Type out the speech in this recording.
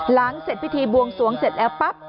เสร็จพิธีบวงสวงเสร็จแล้วปั๊บ